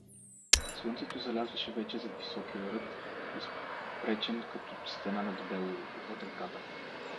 Слънцето залазяше вече зад високия рът, изпречен като стена над Белово, отвъд реката.